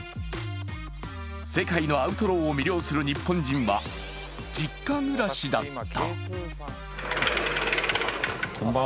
世界のアウトローを魅了する日本人は実家暮らしだった。